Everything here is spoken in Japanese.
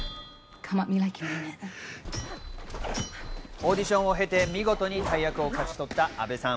オーディションを経て見事に大役を勝ち取った安部さん。